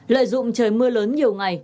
lợi dụng trời mưa lớn nhiều ngày